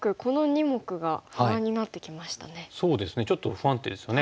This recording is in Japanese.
ちょっと不安定ですよね。